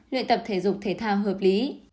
chín luyện tập thể dục thể thao hợp lý